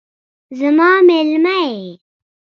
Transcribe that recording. زما میلمه یې